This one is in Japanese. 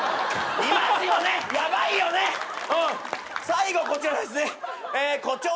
最後こちらですね。